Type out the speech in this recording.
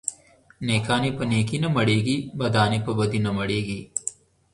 نيکان يې په نيکي نه مړېږي ، بدان يې په بدي نه مړېږي.